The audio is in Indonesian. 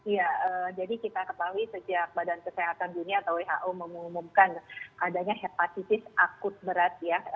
ya jadi kita ketahui sejak badan kesehatan dunia atau who mengumumkan adanya hepatitis akut berat ya